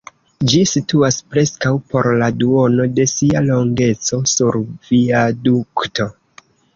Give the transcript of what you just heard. Ĝi situas preskaŭ por la duono de sia longeco sur viadukto.